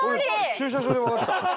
駐車場でわかった。